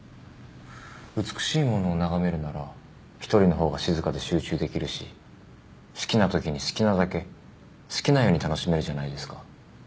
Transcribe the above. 美しいものを眺めるなら１人の方が静かで集中できるし好きなときに好きなだけ好きなように楽しめるじゃないですか。